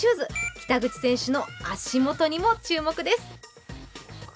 北口選手の足元にも注目です。